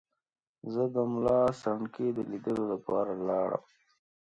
زه د ملا سنډکي د لیدلو لپاره ولاړم.